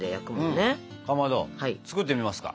かまど作ってみますか。